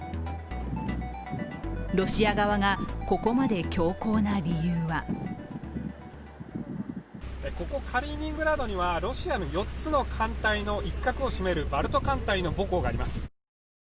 ロシア側がここまで強硬な理由はここカリーニングラードにはロシアの４つの艦隊の一角を占めるバルト艦隊の母港があります。